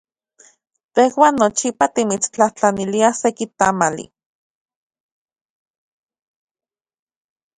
Tejuan nochipa timitstlajtlaniliaj seki tamali.